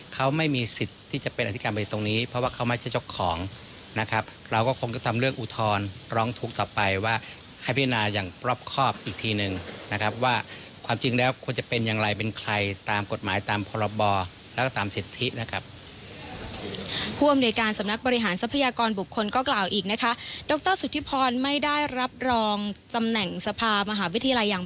เขาไม่มีสิทธิ์ที่จะเป็นอธิการประตุภิคตรงนี้สิทธิว่าเขาไม่